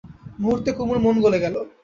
মুহূর্তে কুমুর মন গলে গেল।